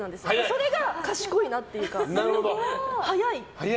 それが賢いなっていうか早い。